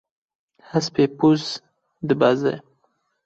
Hespê boz dibeze.